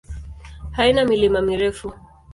Haina milima mirefu.